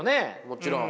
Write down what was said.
もちろん。